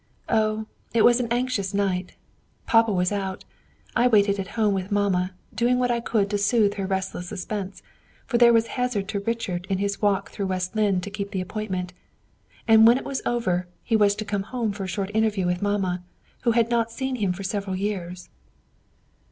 Oh, it was an anxious night. Papa was out. I waited at home with mamma, doing what I could to sooth her restless suspense, for there was hazard to Richard in his night walk through West Lynne to keep the appointment; and, when it was over, he was to come home for a short interview with mamma, who had not seen him for several years."